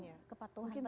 ya kepatuhan itu penting